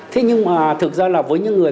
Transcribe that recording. thế nhưng mà thực ra là với những người